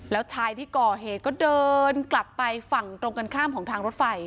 แล้วชายที่ก่อเหตุก็เดินกลับไปฝั่งตรงกันข้ามของทางรถไฟ